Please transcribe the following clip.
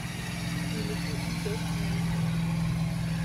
Il établit d'autres records.